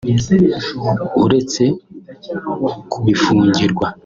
"Uretse kubifungirwa